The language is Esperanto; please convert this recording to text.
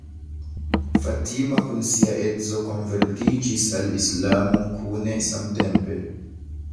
Fatima kun sia edzo konvertiĝis al Islamo kune samtempe.